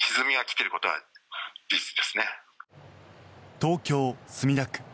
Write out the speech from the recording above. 東京・墨田区。